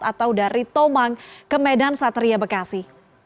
atau dari tomang ke medan satria bekasi